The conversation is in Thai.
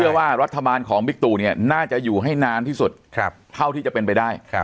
ว่ารัฐบาลของบิ๊กตูเนี่ยน่าจะอยู่ให้นานที่สุดเท่าที่จะเป็นไปได้